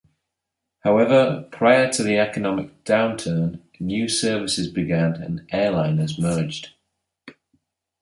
However, prior to the economic downturn, new services began and airliners merged.